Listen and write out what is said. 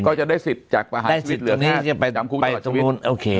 ก็จะได้การตัวสิทธิ์จากประหารชีวิต